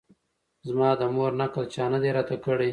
زما د مور نکل چا نه دی راته کړی